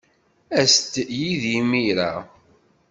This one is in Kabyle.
As-d yid-i imir-a.